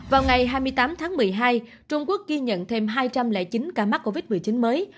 vào ngày hai mươi tám tháng một mươi hai trung quốc ghi nhận thêm hai trăm linh chín ca mắc covid một mươi chín mới